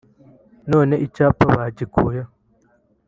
none icyapa bagikuyeho